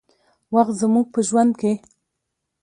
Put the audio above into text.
وخت زموږ په ژوند کې